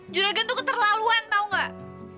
juragan tuh keterlaluan tau gak